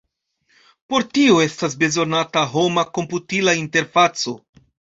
Por tio estas bezonata homa-komputila interfaco.